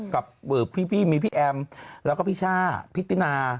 กับพี่มีพี่แอมแล้วก็พี่ช่าพี่ตินา